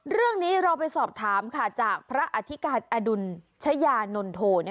เรื่องนี้เราไปสอบถามค่ะจากพระอธิการอดุลชยานนโท